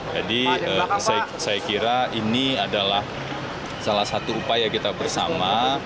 jadi saya kira ini adalah salah satu upaya kita bersama